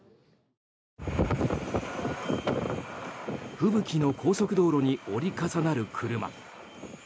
吹雪の高速道路に折り重なる車。